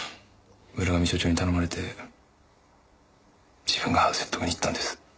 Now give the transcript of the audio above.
浦上署長に頼まれて自分が説得に行ったんです。